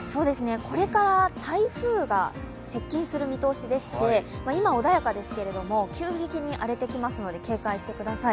これから台風が接近する見通しでして今穏やかですけれども急激に荒れてきますので警戒してください。